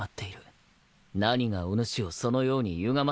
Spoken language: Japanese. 何がおぬしをそのようにゆがませたでござるか？